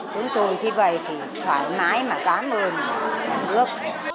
chúng tôi khi vậy thì thoải mái mà cảm ơn nhà nước